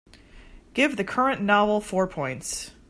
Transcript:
Give the current novel four points.